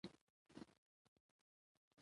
پکتیا د افغانستان د پوهنې نصاب کې شامل دي.